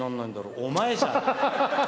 お前じゃ！